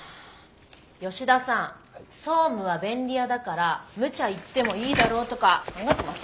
吉田さん「総務は便利屋だからむちゃ言ってもいいだろ」とか考えてません？